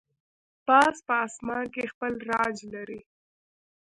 باز په آسمان کې خپل راج لري